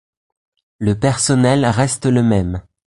Le personnel reste le même.